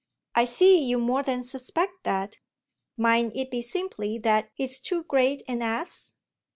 "I see you more than suspect that. Mayn't it be simply that he's too great an ass?"